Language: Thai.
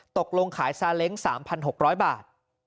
ตกลงขายซาเล้ง๓๖๐๐บาท